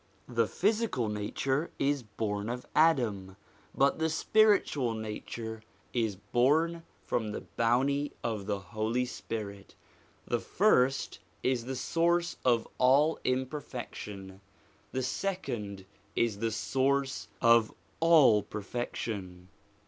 The physical nature is born of Adam, but the spiritual nature is born from the bounty of the Holy Spirit; the first is the source of all imperfection, the second is the source of all perfection.